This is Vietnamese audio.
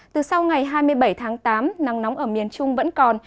từ sau ngày hai mươi bảy tháng tám nắng nóng ở miền trung vẫn còn